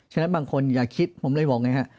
ฉะนั้นบางคนอย่าคิดผมเลยบอกไงฮะ